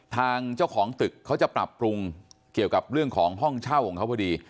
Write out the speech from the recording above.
ทางเจ้าของตึกเขาจะปรับปรุงเกี่ยวกับเรื่องของห้องเช่าของเขาพอดี